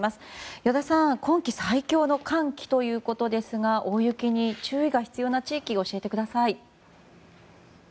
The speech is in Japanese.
依田さん、今季最強の寒気ということですが大雪に注意が必要な地域を教えてください。